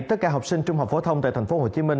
tất cả học sinh trung học phổ thông tại tp hcm